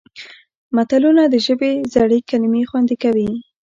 متلونه د ژبې زړې کلمې خوندي کوي